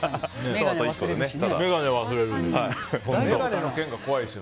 眼鏡を忘れるし。